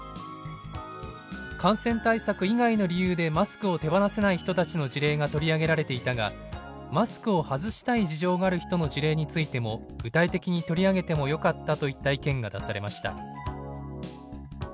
「感染対策以外の理由でマスクを手放せない人たちの事例が取り上げられていたがマスクを外したい事情がある人の事例についても具体的に取り上げてもよかった」といった意見が出されました。